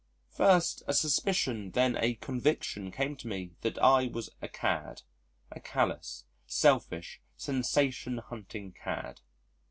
First a suspicion then a conviction came to me that I was a cad a callous, selfish, sensation hunting cad....